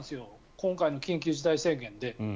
今回の緊急事態宣言で。